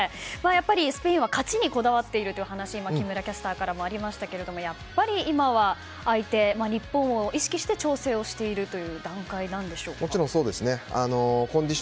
スペインは勝ちにこだわっているという話が今、木村キャスターからもありましたけれどもやっぱり今は、相手は日本を意識して調整しているもちろんそうですね。